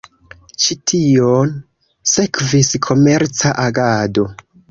Ĉi tion sekvis komerca agado.